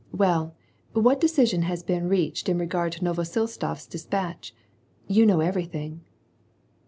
— Well, what decision has been reached in regard to Novosiltsof's despatch? You know everything."